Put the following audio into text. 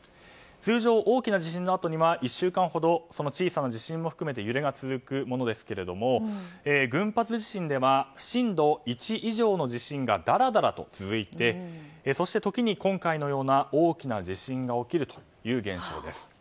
通常、大きな地震のあとには１週間ほどその小さな地震も含めて揺れが続きますが群発地震では震度１以上の地震がだらだらと続いてそして、時に今回のような大きな地震が起きるという現象です。